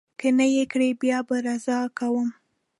که نه یې کړي، بیا به رضا کوم.